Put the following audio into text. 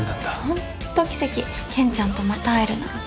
ほんと奇跡けんちゃんとまた会えるなんて。